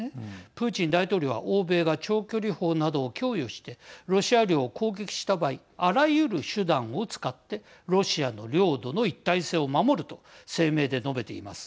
プーチン大統領は欧米が長距離砲などを供与してロシア領を攻撃した場合あらゆる手段を使ってロシアの領土の一体性を守ると声明で述べています。